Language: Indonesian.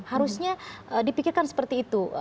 harusnya dipikirkan seperti itu